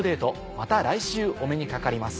また来週お目にかかります。